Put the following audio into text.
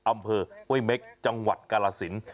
อำเภอเว้ยเมคจังหวัดกาลาศิลป์